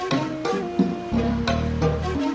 aduh aduh aduh aduh aduh aduh aduh aduh aduh